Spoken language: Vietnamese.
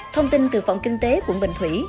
thông tin từ phòng kinh tế quận bình thủy